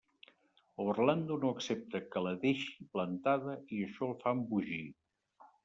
Orlando no accepta que la deixi plantada i això el fa embogir.